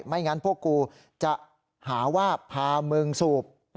ไม่งั้นพวกกูจะหาว่าพามึงสูบ